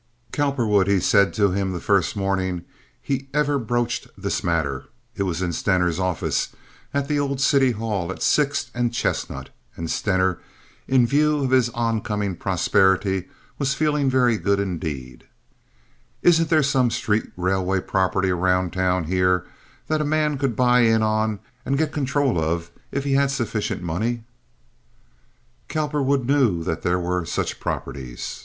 "Cowperwood," he said to him the first morning he ever broached this matter—it was in Stener's office, at the old city hall at Sixth and Chestnut, and Stener, in view of his oncoming prosperity, was feeling very good indeed—"isn't there some street railway property around town here that a man could buy in on and get control of if he had sufficient money?" Cowperwood knew that there were such properties.